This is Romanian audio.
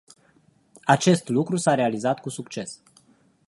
Acest lucru s-a realizat cu succes.